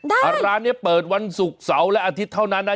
ร้านนี้เปิดวันศุกร์เสาร์และอาทิตย์เท่านั้นนะ